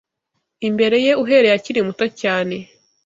imbere ye uhereye akiri muto cyane.